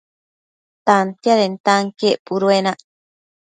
Tantiadentanquien puduenac